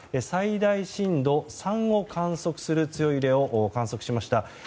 最大震度３を観測する強い揺れを観測しました。